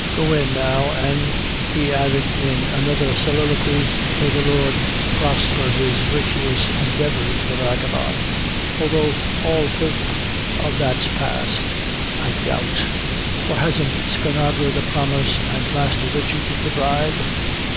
Go in now, an'," he added in another soliloquy, "may the Lord prosper his virtuous endayvors, the vagabone; although all hope o' that's past, I doubt; for hasn't Skinadre the promise, and Masther Richard the bribe?